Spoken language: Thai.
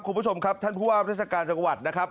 คุณผู้ชมครับท่านผู้ว่าราชการจังหวัดนะครับ